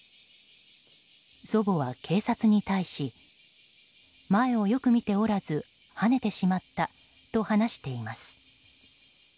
祖母は警察に対し前をよく見ておらずはねてしまったと話しています。